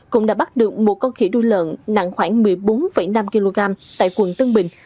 cũng đã bắt được một con khỉ đuôi lợn nặng khoảng một mươi bốn năm kg tại quận tân bình